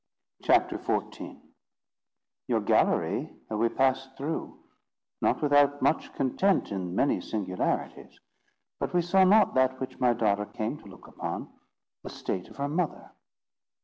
CHAPTER XIV "Your gallery Have we pass'd through, not without much content In many singularities; but we saw not That which my daughter came to look upon, The state of her mother."